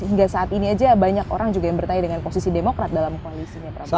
hingga saat ini aja banyak orang juga yang bertanya dengan posisi demokrat dalam koalisinya prabowo